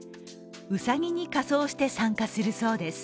うさぎに仮装して、参加するそうです。